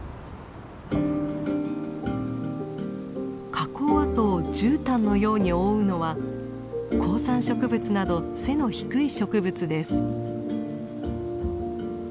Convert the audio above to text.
火口跡をじゅうたんのように覆うのは高山植物など背の低い植物です。